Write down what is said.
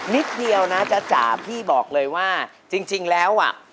นิดเดียวนะจ๊ะจ๋าพี่บอกเลยว่าจริงแล้วอ่ะ